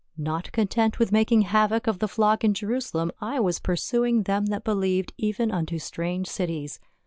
Not content with making havoc of the flock in Jerusalem, I was pursu ing them that believed even unto strange cities.